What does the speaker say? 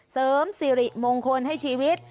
เสริมสิริมงคลให้ชีวิต